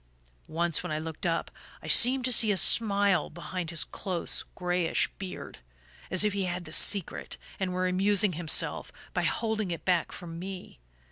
"Once, when I looked up, I seemed to see a smile behind his close grayish beard as if he had the secret, and were amusing himself by holding it back from me.